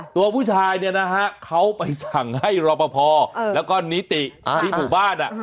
ตัวผู้ชายเนี่ยนะฮะเขาไปสั่งให้รอปภแล้วก็นิติที่หมู่บ้าน